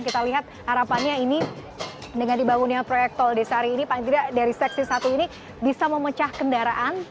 kita lihat harapannya ini dengan dibangunnya proyek tol desari ini paling tidak dari seksi satu ini bisa memecah kendaraan